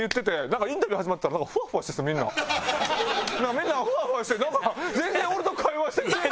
みんなフワフワしてなんか全然俺と会話してへん。